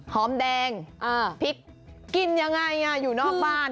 หอมแดงพริกกินยังไงอยู่นอกบ้าน